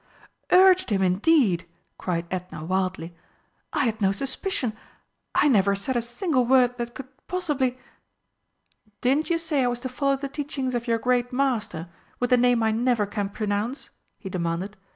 "Urged him, indeed!" cried Edna wildly. "I had no suspicion I never said a single word that could possibly " "Didn't you say I was to follow the teachings of your great master with the name I never can pronounce?" he demanded.